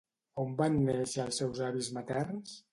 On van néixer els seus avis materns?